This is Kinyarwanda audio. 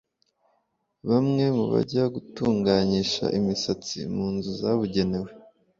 Bamwe mu bajya gutunganyisha imisatsi mu nzu zabugenewe